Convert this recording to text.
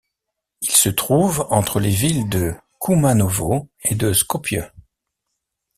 Il se trouve entre les villes de Koumanovo et de Skopje.